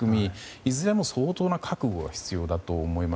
いずれも相当な覚悟が必要だと思います。